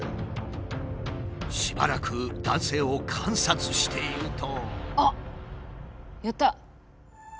しばらく男性を観察していると。